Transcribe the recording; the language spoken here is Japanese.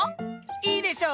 いいでしょ。